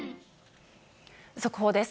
速報です。